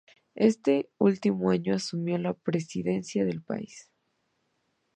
Este último año asumió la presidencia del país.